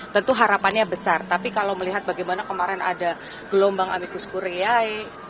tentu harapannya besar tapi kalau melihat bagaimana kemarin ada gelombang amikus kureyai